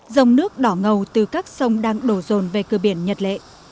dòng nước đỏ ngầu từ các sông đang đổ rồn về cửa biển nhật lệ